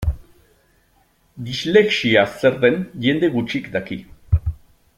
Dislexia zer den jende gutxik daki.